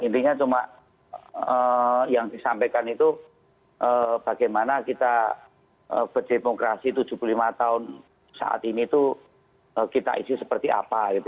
intinya cuma yang disampaikan itu bagaimana kita berdemokrasi tujuh puluh lima tahun saat ini itu kita isi seperti apa gitu